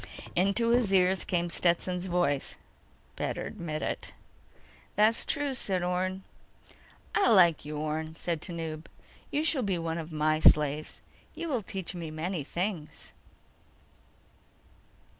Into his ears came Stetson's voice: "Better admit it." "That's true," said Orne. "I like you, Orne," said Tanub. "You shall be one of my slaves. You will teach me many things."